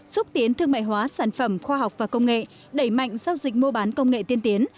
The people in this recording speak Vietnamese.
xúc tiến thương mại hóa sản phẩm khoa học và công nghệ đẩy mạnh giao dịch mua bán công nghệ tiên tiến